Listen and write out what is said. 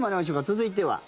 続いては。